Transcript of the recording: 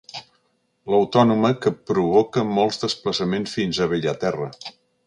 L'Autònoma que provoca molts desplaçaments fins a Bellaterra.